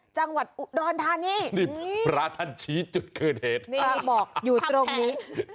จังหวัดอุดรธานีนี่พระท่านชี้จุดเกิดเหตุนี่บอกอยู่ตรงนี้